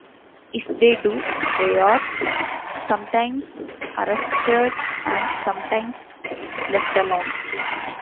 If they do, they are sometimes arrested and sometimes left alone.